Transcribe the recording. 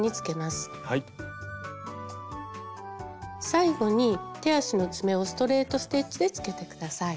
最後に手足の爪をストレート・ステッチでつけて下さい。